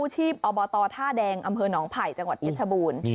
กูชีพอบตท่าแดงอำเภอหนองไผ่จังหวัดเย็ดชะบูน